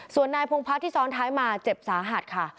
ส่วนนายพงพัฒน์ที่ซ้อนท้ายมาเจ็บสาหัสค่ะ